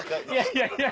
いやいや。